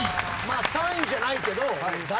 ３位じゃないけど。